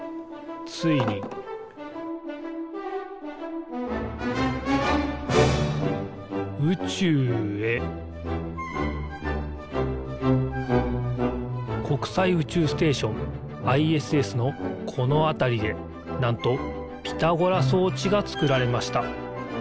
ついに宇宙へ国際宇宙ステーションＩＳＳのこのあたりでなんとピタゴラそうちがつくられました。